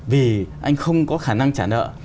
vì anh không có khả năng trả nợ